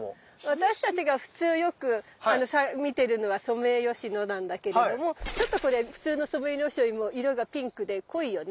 私たちが普通よく見てるのはソメイヨシノなんだけれどもちょっとこれ普通のソメイヨシノよりも色がピンクで濃いよね。